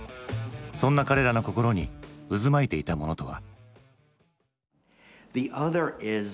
そんな彼らの心に渦巻いていたものとは？